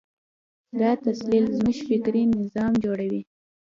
دا تسلسل زموږ فکري نظام جوړوي.